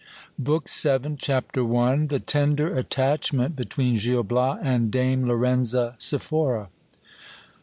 BOOK THE SEVENTH. Ch. I. — The tender attachment between Gil Bias and Dame Lorenza Scphora.